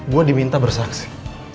gue diminta bersaksi